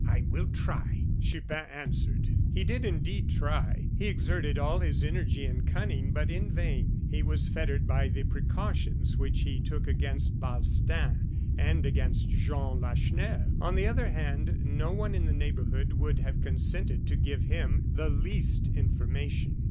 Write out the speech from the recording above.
"I will try," Chupin answered. He did indeed try; he exerted all his energy and cunning, but in vain. He was fettered by the precautions which he took against Balstain and against Jean Lacheneur. On the other hand, no one in the neighborhood would have consented to give him the least information.